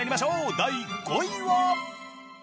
第５位は。